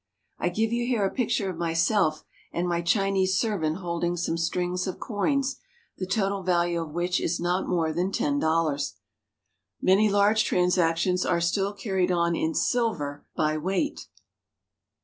I give you here a picture of myself and my Chinese servant holding some strings of coins, the total value of which is not more than ten dollars. Many large transactions are still carried on in silver by weight.